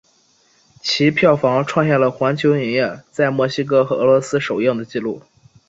其票房创下了环球影业在墨西哥和俄罗斯首映的纪录。